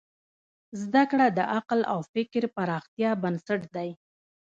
زدهکړه د عقل او فکر پراختیا بنسټ دی.